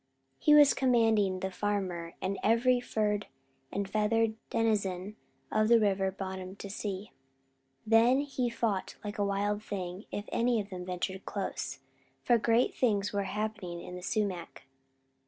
He was commanding the farmer and every furred and feathered denizen of the river bottom to see; then he fought like a wild thing if any of them ventured close, for great things were happening in the sumac.